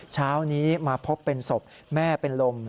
เช้านี้มาพบเป็นศพแม่เป็นลม